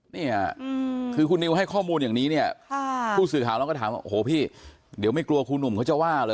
เนี่ยคือคุณนิวให้ข้อมูลอย่างนี้เนี่ยผู้สื่อข่าวเราก็ถามว่าโอ้โหพี่เดี๋ยวไม่กลัวครูหนุ่มเขาจะว่าเลย